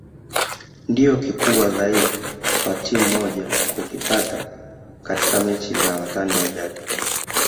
ndio kikubwa zaidi kwa timu moja kukipata katika mechi za watani wa jadi